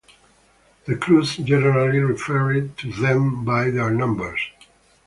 The crews generally referred to them by their numbers.